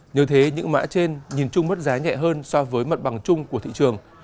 nhờ thế những mã trên nhìn chung mất giá nhẹ hơn so với mặt bằng chung của thị trường